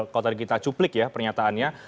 kalau tadi kita cuplik ya pernyataannya